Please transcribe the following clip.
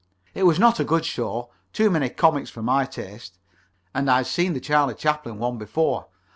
It was not a good show too many comics for my taste, and I'd seen the Charlie Chaplin one before.